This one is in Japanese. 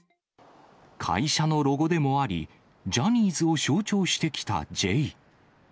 会社のロゴでもあり、ジャニーズを象徴してきたＪ。